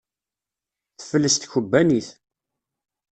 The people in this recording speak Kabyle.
Tefles tkebbanit.